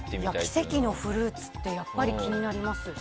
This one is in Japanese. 奇跡のフルーツって気になります。